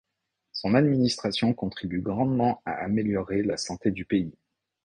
Son administration contribue grandement à améliorer la santé du pays.